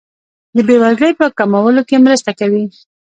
د بیوزلۍ په کمولو کې مرسته کوي.